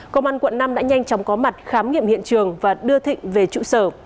công an quận năm đã nhanh chóng có mặt khám nghiệm hiện trường và đưa thịnh về trụ sở